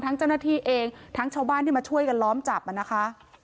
เจ้าหน้าที่เองทั้งชาวบ้านที่มาช่วยกันล้อมจับนะคะ